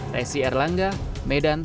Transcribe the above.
resi erlangga medan